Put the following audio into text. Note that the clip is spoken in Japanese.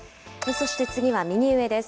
そして次は右上です。